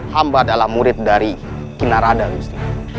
hamba adalah murid dari kinarada gusti